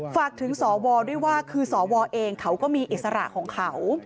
ฝากถึงสวด้วยว่าคือสวเองเขาก็มีอิสระของเขา